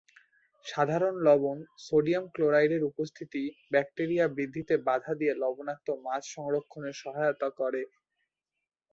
সাধারণ লবণ, সোডিয়াম ক্লোরাইডের উপস্থিতি ব্যাকটিরিয়া বৃদ্ধিতে বাধা দিয়ে লবণাক্ত মাছ সংরক্ষণে সহায়তা করে।